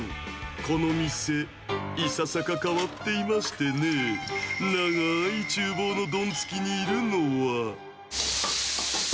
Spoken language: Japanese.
この店、いささか変わっていましてね、長いちゅう房のどんつきにいるのは。